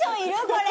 これ。